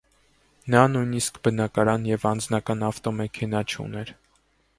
Նա նույնիսկ բնակարան և անձնական ավտոմեքենա չուներ։